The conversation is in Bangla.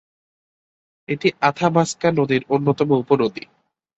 এটি আথাবাস্কা নদীর অন্যতম উপনদী।